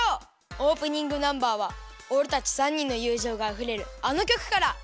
オープニングナンバーはおれたち３にんのゆうじょうがあふれるあのきょくから！